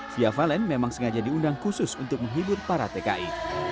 fia valen memang sengaja diundang khusus untuk menghibur para tki